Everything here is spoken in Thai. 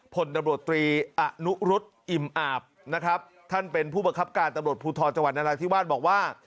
ผลตำรวจตรีอนุรุษอิ่มอาบนะครับท่านเป็นผู้บังคับการตำรวจภูทรจังหวัดนราธิวาสบอกว่า